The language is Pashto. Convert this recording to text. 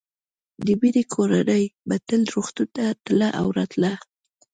د مينې کورنۍ به تل روغتون ته تله او راتله